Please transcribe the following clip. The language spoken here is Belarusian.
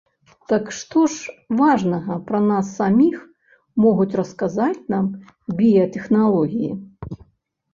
Так што ж важнага пра нас саміх могуць расказаць нам біятэхналогіі?